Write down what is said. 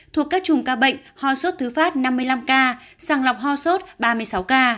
thuộc các trùng ca bệnh hoa sốt thứ phát năm mươi năm ca sàng lọc hoa sốt ba mươi sáu ca